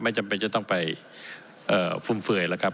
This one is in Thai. จำเป็นจะต้องไปฟุ่มเฟื่อยแล้วครับ